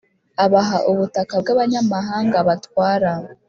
Abaha ubutaka bw abanyamahanga Batwara